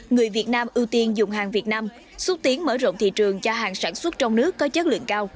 người việt nam ưu tiên dùng hàng việt nam xuất tiến mở rộng thị trường cho hàng sản xuất trong nước có chất lượng cao